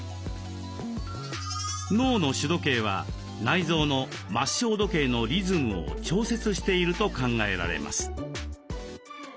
脳の「主時計」は内臓の「末梢時計」のリズムを調節していると考えられます。